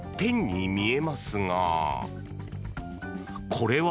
これは。